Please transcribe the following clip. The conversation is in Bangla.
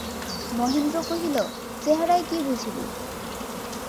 মহেন্দ্র কহিল, চেহারায় কী বুঝিবে।